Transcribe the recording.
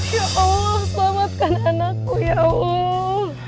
ya allah selamatkan anakku ya allah